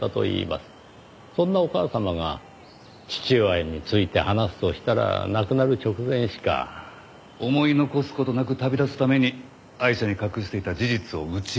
そんなお母様が父親について話すとしたら亡くなる直前しか。思い残す事なく旅立つためにアイシャに隠していた事実を打ち明けた。